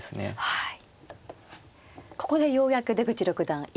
はい。